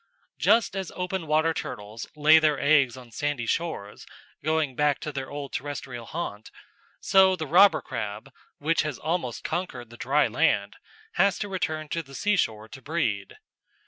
Just as open water turtles lay their eggs on sandy shores, going back to their old terrestrial haunt, so the robber crab, which has almost conquered the dry land, has to return to the seashore to breed.